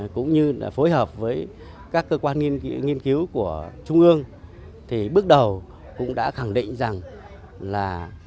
cũng như là phối hợp với các cơ quan nghiên cứu của trung ương thì bước đầu cũng đã khẳng định rằng là